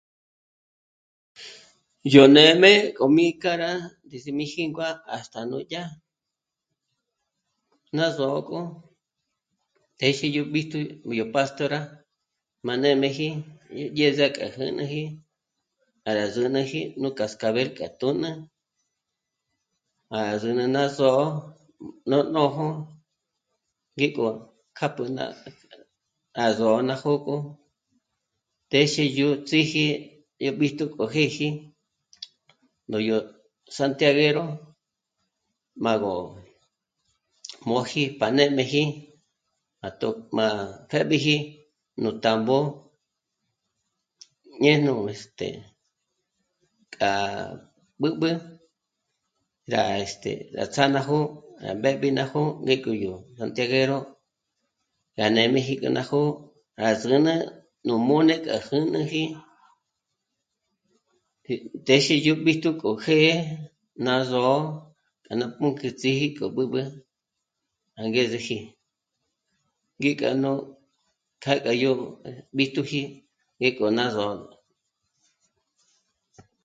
Yó nê'me k'o mí k'âra ndízi mí jíngua hasta núdyà ná zó'o k'o téxi yó b'íjtu k'o yó Pástora má nê'meji dyéza k'a jânaji para zǚnüji nú cascabel kjâ t'únü, para zǚnü ná zó'o, nújnójo ngík'o kjápjü ná... ná zó'o ná jók'o, téxi yó ts'íji dyé b'íjtu k'o jë́ji ndó yó Santiaguero, má gó móji pa gú nê'meji pa tó... má pë́b'iji nú tambó, ñej nú este..., k'a b'ǚb'ü, rá este..., rá ts'á ná jó'o, rá b'ë́b'i ná jó'o ngé k'o yó Santiaguero rá nê'meji k'a ná jó'o, rá zǚnü nú mó'ne k'a nú jänäji... ndéxi yó b'íjtu k'o jë́'ë ná zó'o k'a ná pǔnk'üts'í ngík'o b'ǚb'ü angezeji, ngík'a nú kjá gá yó'o b'íjtuji ngék'o ná zó'o